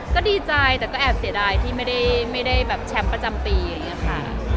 ก็ดีใจแต่ก็แอบเสียดายที่ไม่ได้แบบแชมป์ประจำปีอย่างนี้ค่ะ